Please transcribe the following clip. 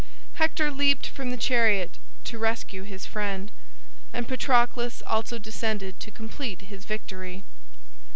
Hector leaped from the chariot to rescue his friend, and Patroclus also descended to complete his victory.